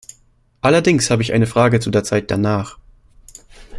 Allerdings habe ich eine Frage zu der Zeit danach.